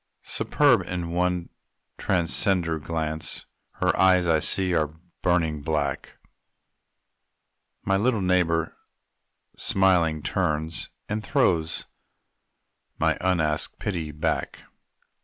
Superb in one transcendent glance Her eyes, I see, are burning black My little neighbor, smiling, turns, And throws my unasked pity back.